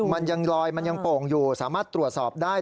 มันยังลอยมันยังโป่งอยู่สามารถตรวจสอบได้